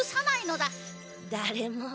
だれも。